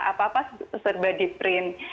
apa apa serba di print